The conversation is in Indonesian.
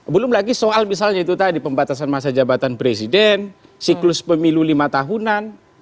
belum lagi soal misalnya itu tadi pembatasan masa jabatan presiden siklus pemilu lima tahunan